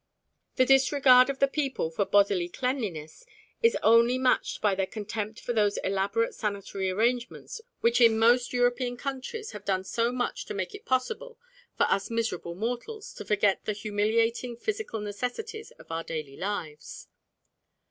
The disregard of the people for bodily cleanliness is only matched by their contempt for those elaborate sanitary arrangements which in most European countries have done so much to make it possible for us miserable mortals to forget the humiliating physical necessities of our daily lives.